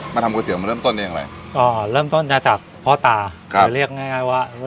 มาทำก๋วยเตี๋ยวมาเริ่มต้นอย่างไรอ๋อเริ่มต้นจากพ่อตาครับจะเรียกง่ายง่ายว่า